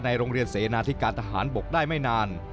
โรงเรียนเสนาธิการทหารบกได้ไม่นาน